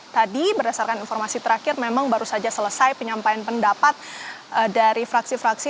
tadi berdasarkan informasi terakhir memang baru saja selesai penyampaian pendapat dari fraksi fraksi